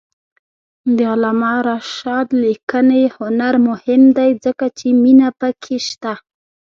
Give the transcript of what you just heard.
د علامه رشاد لیکنی هنر مهم دی ځکه چې مینه پکې شته.